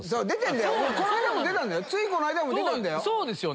ついこの間も出たんだよ。